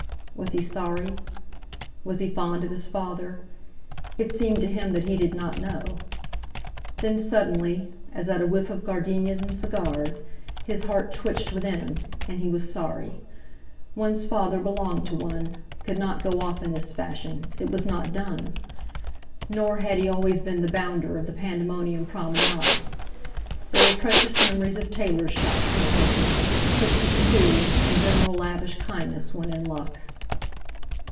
Was he sorry? Was he fond of his father? It seemed to him that he did not know. Then, suddenly—as at a whiff of gardenias and cigars—his heart twitched within him, and he was sorry. One's father belonged to one, could not go off in this fashion—it was not done! Nor had he always been the "bounder" of the Pandemonium promenade. There were precious memories of tailors' shops and horses, tips at school, and general lavish kindness, when in luck.